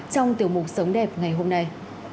trong tiểu mục sống đẹp ngày hôm nay